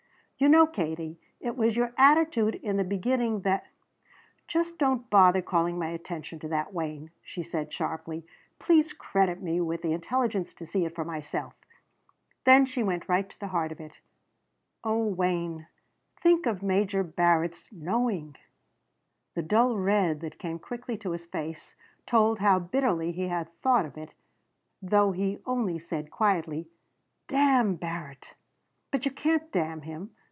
"You know, Katie, it was your attitude in the beginning that " "Just don't bother calling my attention to that, Wayne," she said sharply. "Please credit me with the intelligence to see it for myself." Then she went right to the heart of it. "Oh Wayne think of Major Barrett's knowing." The dull red that came quickly to his face told how bitterly he had thought of it, though he only said quietly: "Damn Barrett." "But you can't damn him.